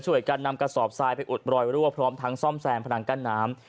การนำกระสอบทรายไปอุดรอยรั่วพร้อมทั้งซ่อมแซมพนังกั้นน้ำ